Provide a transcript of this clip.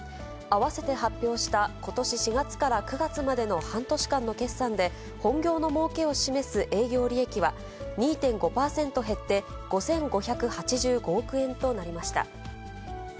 合わせて発表した、ことし４月から９月までの半年間の決算で、本業のもうけを示す営業利益は２．５％減って、５５８５億円となりました。